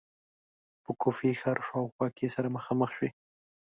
په کوفې ښار شاوخوا کې سره مخامخ شوې.